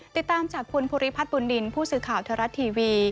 ติดตามจากคุณพุริพัฒน์บุญดินผู้ซื้อข่าวเทอรัสทีวี